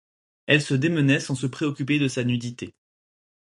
Elle se démenait sans se préoccuper de sa nudité.